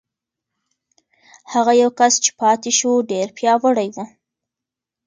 هغه یو کس چې پاتې شو، ډېر پیاوړی و.